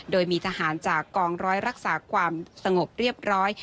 โดยมีทหารจากกองร้อยรักษาความสงบเรียบร้อย